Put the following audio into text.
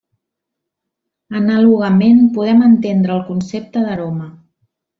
Anàlogament podem entendre el concepte d'aroma.